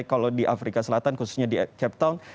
kalau di afrika selatan khususnya di cape town